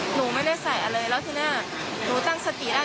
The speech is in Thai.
หนูไม่ได้ใส่อะไรแล้วทีนี้หนูตั้งสติได้